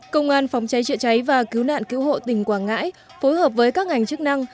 công an phòng cháy chữa cháy và cứu nạn cứu hộ tỉnh quảng ngãi phối hợp với các ngành chức năng